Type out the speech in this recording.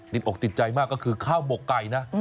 อกติดใจมากก็คือข้าวหมกไก่นะ